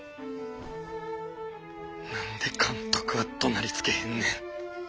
何で監督はどなりつけへんねん。